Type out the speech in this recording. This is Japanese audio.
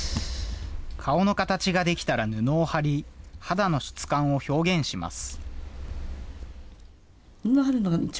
顔の形が出来たら布を貼り肌の質感を表現します